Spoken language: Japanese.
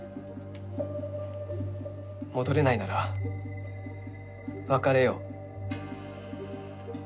戻れないなら別れよう。